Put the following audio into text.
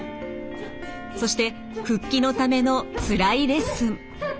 そして復帰のためのつらいレッスン。